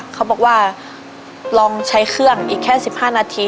เขาบอกว่าลองใช้เครื่องอีกแค่๑๕นาที